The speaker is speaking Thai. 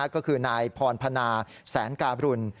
ก็คือนายพรพนาแสนการรุณ